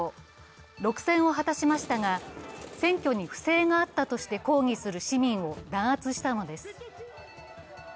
６選を果たしましたが選挙に不正があったとして抗議する市民を弾圧したのです。